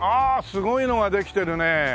すごいのができてるね。